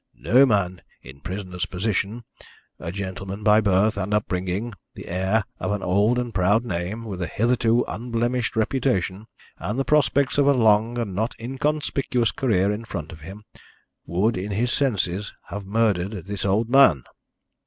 No man in prisoner's position, a gentleman by birth and upbringing, the heir of an old and proud name, with a hitherto unblemished reputation, and the prospects of a long and not inconspicuous career in front of him, would in his senses have murdered this old man.'